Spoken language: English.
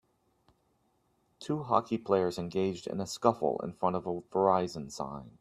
Two hockey players engaged in a scuffle in front of a Verizon sign.